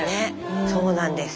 そうなんです。